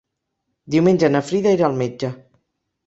Diumenge na Frida irà al metge.